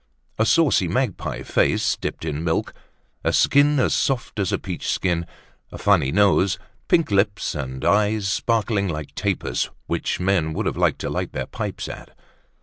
A saucy magpie face, dipped in milk, a skin as soft as a peach skin, a funny nose, pink lips and eyes sparkling like tapers, which men would have liked to light their pipes at.